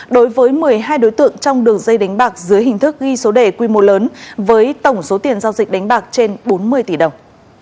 đối với một mươi hai đối tượng trong đường dây đánh bạc dưới hình thức ghi số đề quy mô lớn với tổng số tiền giao dịch đánh bạc trên bốn mươi tỷ đồng